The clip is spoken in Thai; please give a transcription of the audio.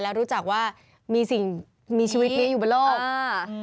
แล้วรู้จักว่ามีสิ่งมีชีวิตนี้อยู่บนโลกอ่า